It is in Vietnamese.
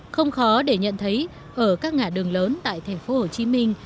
không khó để nhận thấy ở các ngã đường lớn tại thành phố hồ chí minh